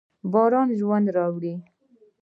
باران ژوند راوړي.